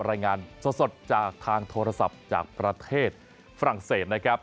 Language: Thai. รายงานสดจากทางโทรศัพท์จากประเทศฝรั่งเศสนะครับ